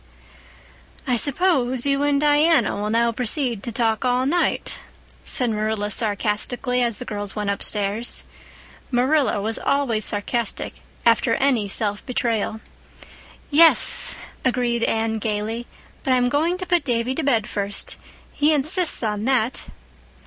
"I suppose you and Diana will now proceed to talk all night," said Marilla sarcastically, as the girls went upstairs. Marilla was always sarcastic after any self betrayal. "Yes," agreed Anne gaily, "but I'm going to put Davy to bed first. He insists on that."